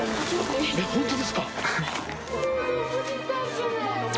えっ本当ですか？